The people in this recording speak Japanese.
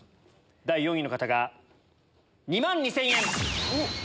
第４位の方が２万２０００円。